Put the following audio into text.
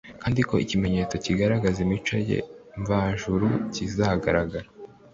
kandi ko ikimenyetso kigaragaza imico ye mvajuru kizagaragara